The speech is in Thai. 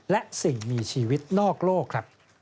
และสิ่งมีชีวิตนอกโลกครับ